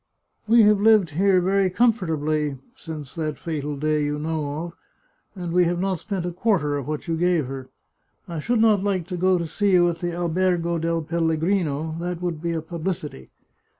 We have lived very comfortably since that fatal day you know of, and we have not spent a quarter of what you gave her. I should not like to go to see you at the Albergo del Pellegrino ; that would be a publicity.